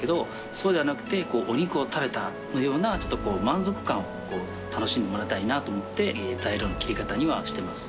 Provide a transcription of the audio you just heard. そうではなくてお肉を食べたような満足感を楽しんでもらいたいなと思って材料の切り方にはしてます。